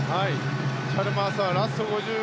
チャルマースはラスト５０ｍ